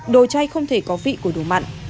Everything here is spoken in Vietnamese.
đồ chay không thể có vị của đổ mặn